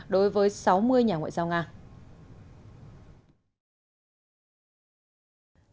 đối với sáu mươi nhà ngoại giao nga